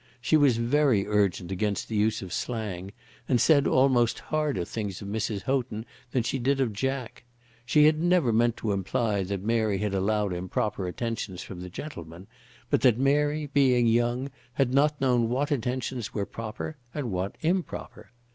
She was very urgent against the use of slang, and said almost harder things of Mrs. Houghton than she did of Jack. She never had meant to imply that Mary had allowed improper attentions from the gentleman, but that Mary, being young, had not known what attentions were proper and what improper.